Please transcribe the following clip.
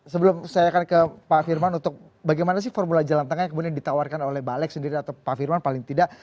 sebelum saya akan ke pak firman untuk bagaimana sih formula jalan tengah yang kemudian ditawarkan oleh balek sendiri atau pak firman paling tidak